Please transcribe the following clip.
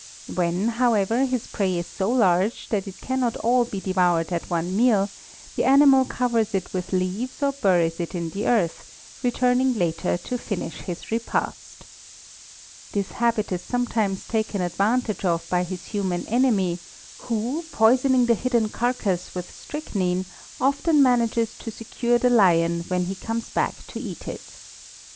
When, however, his prey is so large that it cannot all be devoured at one meal, the animal covers it with leaves or buries it in the earth, returning later to finish his repast. This habit is sometimes taken advantage of by his human enemy, who, poisoning the hidden carcass with strychnine, often manages to secure the lion when he comes back to eat it.